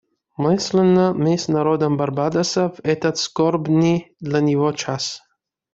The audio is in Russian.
Мысленно мы с народом Барбадоса в этот скорбный для него час.